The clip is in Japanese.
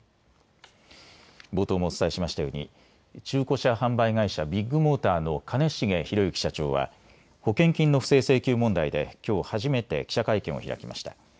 冒頭もお伝えしましたように中古車販売会社、ビッグモーターの兼重宏行社長は保険金の不正請求問題できょう初めて記者会見を開きました。